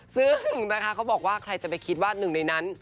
ซึ่งนะคะเขาบอกว่าใครจะไปคิดว่าหนึ่งในนั้น